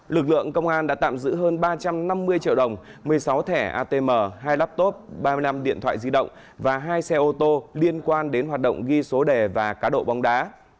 lực lượng công an đã tạm giữ hơn ba trăm năm mươi triệu đồng một mươi sáu thẻ atm hai laptop ba mươi năm điện thoại di động và hai xe ô tô liên quan đến hoạt động ghi số đề và cá độ bóng đá